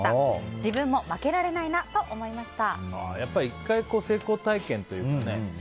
自分も負けられないなとやっぱり１回、成功体験というかね。